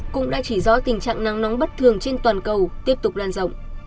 cũng đã chỉ rõ tình trạng nắng nóng bất thường trên toàn cầu tiếp tục lan rộng